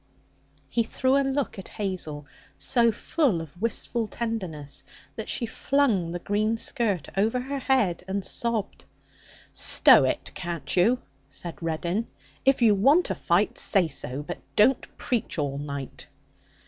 He threw a look at Hazel so full of wistful tenderness that she flung the green skirt over her head and sobbed. 'Stow it, can't you?' said Reddin. 'If you want a fight, say so; but don't preach all night.'